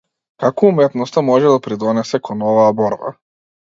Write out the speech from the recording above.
Како уметноста може да придонесе кон оваа борба?